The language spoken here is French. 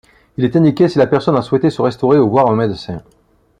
Il est indiqué si la personne a souhaité se restaurer ou voir un médecin.